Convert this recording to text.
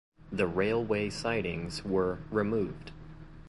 The railway sidings were removed.